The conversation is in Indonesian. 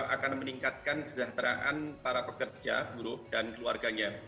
akan meningkatkan kesejahteraan para pekerja buruh dan keluarganya